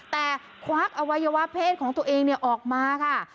แต่ควักอวัยวะเพศของตัวเองออกมาค่ะ